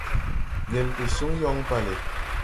Ŋgel de suŋ yɔŋ bale.